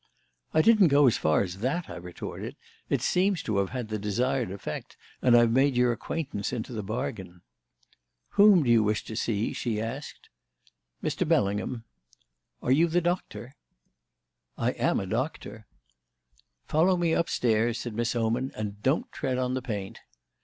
"I didn't go as far as that," I retorted. "It seems to have had the desired effect, and I've made your acquaintance into the bargain." "Whom do you want to see?" she asked. "Mr. Bellingham." "Are you the doctor?" "I am a doctor." "Follow me upstairs," said Miss Oman, "and don't tread on the paint."